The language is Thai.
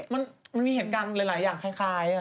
มันมีเหตุการณ์หลายอย่างคล้าย